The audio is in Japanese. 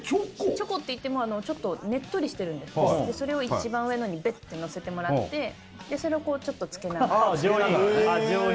チョコっていってもちょっとねっとりしてるんですでそれを一番上のにベッてのせてもらってそれをちょっとつけながらつけながらねああ上品